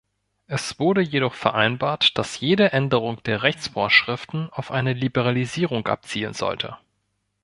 Es wurde jedoch vereinbart, dass jede Änderung der Rechtsvorschriften auf eine Liberalisierung abzielen sollte.